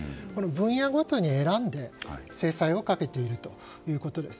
分野ごとに選んで制裁をかけているということです。